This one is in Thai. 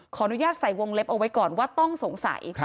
ขออนุญาตใส่วงเล็บเอาไว้ก่อนว่าต้องสงสัย